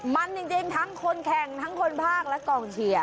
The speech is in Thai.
มันจริงทั้งคนแข่งทั้งคนภาคและกองเชียร์